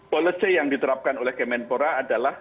policy yang diterapkan oleh kemenpora adalah